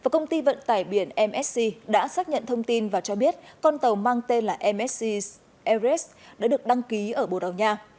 công ty vận tải biển msc đã xác nhận thông tin và cho biết con tàu mang tên là msc ares đã được đăng ký ở bồ đào nha